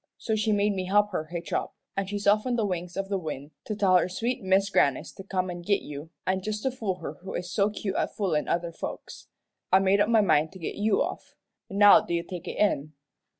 So she made me help her hitch up, an' she's off on the wings of the wind to tell her sweet Mis' Grannis to come an' git you; an' just to fool her who is so cute at foolin' other folks, I made up my mind to git you off. Now do you take it in?"